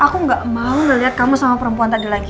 aku gak mau lihat kamu sama perempuan tadi lagi